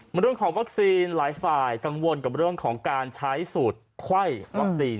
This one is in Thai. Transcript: เรื่องของวัคซีนหลายฝ่ายกังวลกับเรื่องของการใช้สูตรไข้วัคซีน